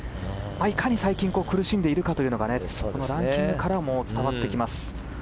いかに最近苦しんでいるかというのがランキングからも伝わってきます。